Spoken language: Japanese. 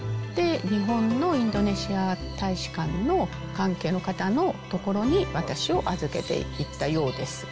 日本のインドネシア大使館の関係の方のところに、私を預けていっ